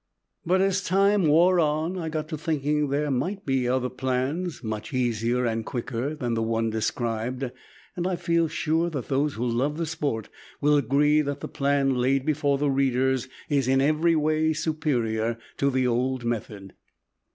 But as time wore on I got to thinking that there might be other plans much easier and quicker than the one described, and I feel sure that those who love the sport will agree that the plan laid before the readers is in every way superior to the old method.